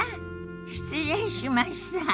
失礼しました。